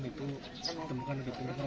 itu ditemukan ada pembuka rokok